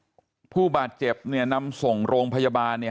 หลังสองนัดผู้บาดเจ็บเนี่ยนำส่งโรงพยาบาลเนี่ย